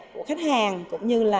của khách hàng cũng như là